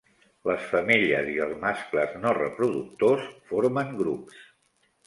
Les femelles i els mascles no reproductors formen grups.